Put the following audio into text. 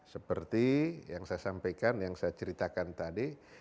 seperti yang saya sampaikan yang saya ceritakan tadi